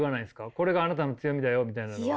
これがあなたの強みだよみたいなのは。